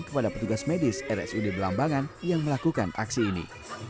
kepada petugas medis rsud belambangan yang melakukan aksi ini